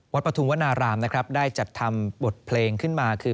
ปฐุมวนารามนะครับได้จัดทำบทเพลงขึ้นมาคือ